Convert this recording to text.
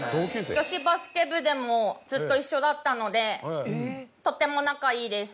女子バスケ部でもずっと一緒だったのでとっても仲いいです。